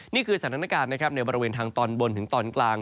นี่คือสถานการณ์นะครับในบริเวณทางตอนบนถึงตอนกลาง